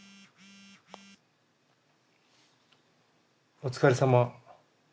お疲れさま。